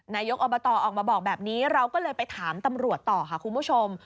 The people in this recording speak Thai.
นายกอบตออกมาบอกแบบนี้เราก็เลยไปถามตำรวจต่อค่ะคุณผู้ชม